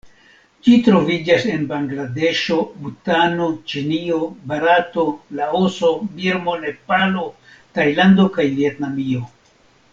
Ĝi troviĝas en Bangladeŝo, Butano, Ĉinio, Barato, Laoso, Birmo, Nepalo, Tajlando kaj Vjetnamio.